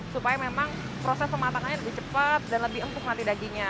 supaya memang proses pematangannya lebih cepat dan lebih empuk nanti dagingnya